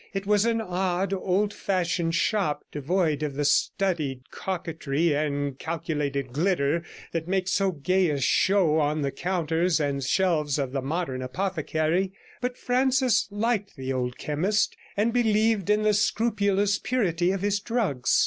It was an odd, old fashioned shop, devoid of the studied coquetry and calculated glitter that make so gay a show on the counters and shelves of the modern apothecary; but Francis liked the old chemist, and believed in the scrupulous purity of his drugs.